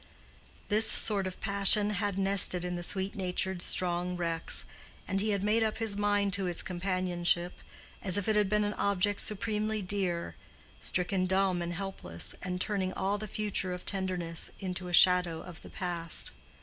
This sort of passion had nested in the sweet natured, strong Rex, and he had made up his mind to its companionship, as if it had been an object supremely dear, stricken dumb and helpless, and turning all the future of tenderness into a shadow of the past.